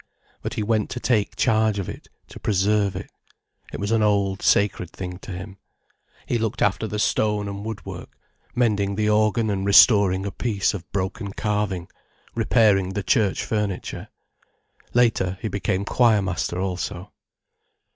But he went to take charge of it, to preserve it. It was as an old, sacred thing to him. He looked after the stone and woodwork, mending the organ and restoring a piece of broken carving, repairing the church furniture. Later, he became choir master also.